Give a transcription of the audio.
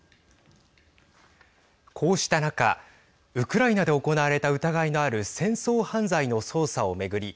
こうした中ウクライナで行われた疑いのある戦争犯罪の捜査を巡り